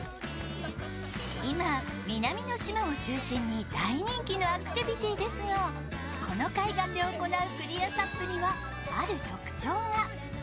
今、南の島を中心に大人気のアクティビティーですがこの海岸で行うクリアＳＵＰにはある特徴が。